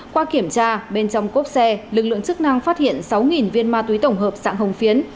qua kiểm tra bên trong cốp xe lực lượng chức năng phát hiện sáu viên ma túy tổng hợp sạng hồng phiến